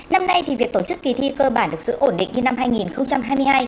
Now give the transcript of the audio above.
năm nay thì việc tổ chức kỳ thi cơ bản được giữ ổn định như năm hai nghìn hai mươi hai